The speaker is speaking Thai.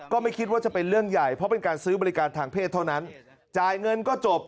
ก็ไม่คิดว่าจะเป็นเรื่องใหญ่เพราะเป็นการซื้อบริการทางเพศเท่านั้นจ่ายเงินก็จบ